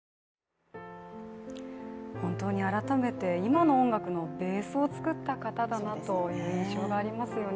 本当に改めて今の音楽のベースを作った方だなという印象がありますよね。